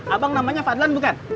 abang namanya fadlan bukan